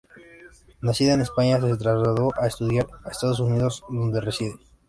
Nacida en España, se trasladó a estudiar a Estados Unidos, donde reside.